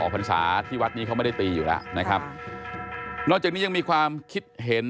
พรรษาที่วัดนี้เขาไม่ได้ตีอยู่แล้วนะครับนอกจากนี้ยังมีความคิดเห็น